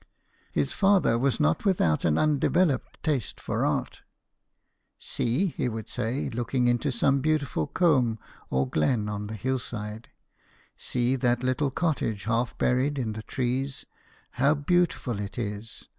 His father was not without an undeveloped taste for art :" See," he would say, looking into some beautiful combe or glen on the hillside " see that little cottage half buried in the trees ; how beautiful it is